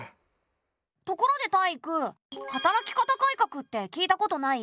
ところでタイイク「働き方改革」って聞いたことない？